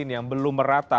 yang belum merata